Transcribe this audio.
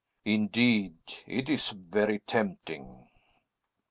Indeed, it is very tempting!"